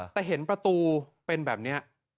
แต่เห็นประตูเป็นแบบนี้